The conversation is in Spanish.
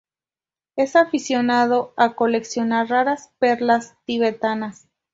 Es aficionado a coleccionar raras perlas tibetanas.